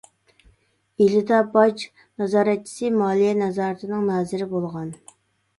ئىلىدا باج نازارەتچىسى، مالىيە نازارىتىنىڭ نازىرى بولغان.